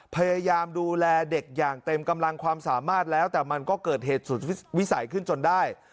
พยายามดูแลเด็กอย่างเต็มกำลังความสามารถแล้วแต่มันก็เกิดเหตุสุดวิสัยขึ้นจนได้